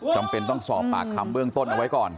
จำเป็นต้องสอบปากคำเบื้องต้นเอาไว้ก่อน